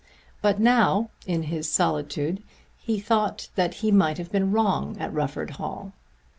But now in his solitude he thought that he might have been wrong at Rufford Hall.